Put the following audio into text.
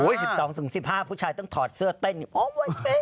อุ๊ย๑๒๑๕ผู้ชายต้องถอดเสื้อเต้นอ๋อไว้เต้น